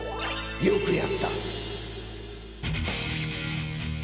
よくやった！